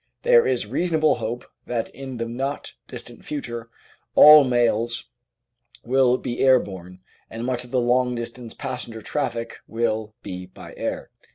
There is reasonable hope that in the not distant future all mails will be air borne and much of the long distance passenger traffic will be by air.